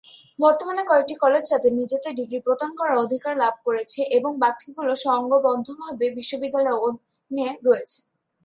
বর্তমানে কয়েকটি কলেজ তাদের নিজেদের ডিগ্রি প্রদান করার অধিকার লাভ করেছে এবং বাকিগুলো সংঘবদ্ধ বিশ্ববিদ্যালয়ের অধীনে রয়েছে।